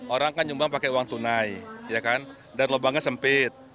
orang kan nyumbang pakai uang tunai dan lubangnya sempit